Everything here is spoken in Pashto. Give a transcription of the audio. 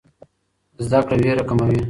زده کړه ویره کموي.